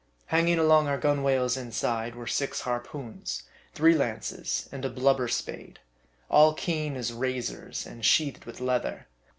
Hanging along our gunwales inside, were six harpoons, three lances, and a blubber spade ; all keen as razors, and sheath ed with leather.